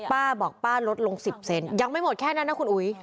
ป้าบอกป้าลดลง๑๐เซนยังไม่หมดแค่นั้นนะคุณอุ๋ย